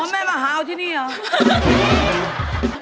แม่มาหาเอาที่นี่เหรอ